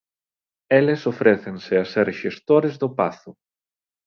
Eles ofrécense a ser xestores do pazo.